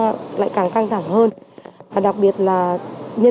các bác sĩ lại càng căng thẳng hơn và đặc biệt là các bác sĩ lại càng căng thẳng hơn